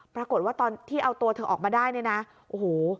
ปรากฎว่าตอนที่เอาตัวเธอออกมาได้โอ้โฮ